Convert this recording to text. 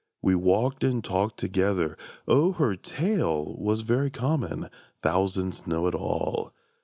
We walked and talked together. O her tale Was very common; thousands know it all!